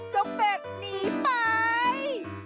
จงเบ็ดหนีไป